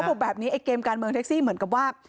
บอกแบบนี้ไอ้เกมการเมืองแท็กซี่เหมือนกับว่า